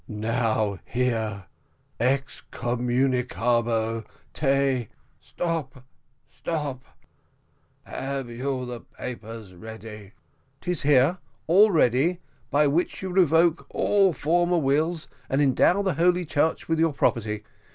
Now hear: excommunicabo te " "Stop stop have you the paper ready?" "'Tis here, all ready, by which you revoke all former wills, and endow the holy church with your property.